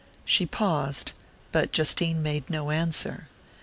She paused, but Justine made no answer.